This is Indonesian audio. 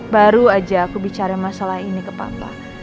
baru aja aku bicara masalah ini ke papa